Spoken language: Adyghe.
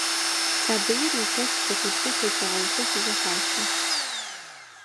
Сабыир илъэс зыхъукӀэ, лъэтегъэуцо фызэхащэ.